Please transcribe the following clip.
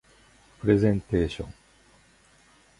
プレゼンテーション